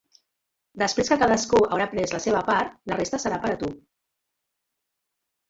Després que cadascú haurà pres la seva part, la resta serà per a tu.